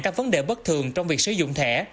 các vấn đề bất thường trong việc sử dụng thẻ